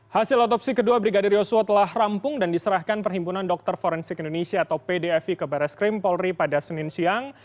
hasil otopsi kedua brigadir yosua telah rampung dan diserahkan perhimpunan dokter forensik indonesia atau pdfi ke baris krim polri pada senin siang